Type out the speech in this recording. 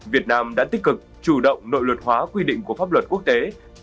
việt nam đã tích cực chủ động nội luật hóa quy định của pháp luật quốc tế